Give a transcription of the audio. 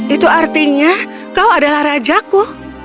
itu artinya kau adalah rajaku